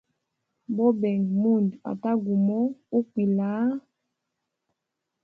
Bobenga mundu ata gumo ukwila haa.